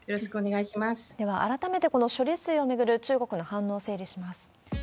では改めて、この処理水を巡る中国の反応を整理します。